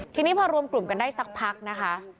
ทีนี้พอรวมกลุ่มกันได้สักพักนะคะ